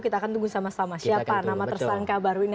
kita akan tunggu sama sama siapa nama tersangka baru ini